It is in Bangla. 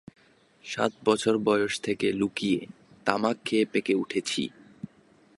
সাত বছর বয়স থেকে লুকিয়ে তামাক খেয়ে পেকে উঠেছি।